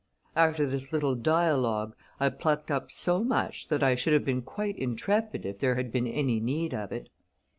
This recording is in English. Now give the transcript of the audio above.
After this little dialogue, I plucked up so much, that I should have been quite intrepid if there had been any need of it.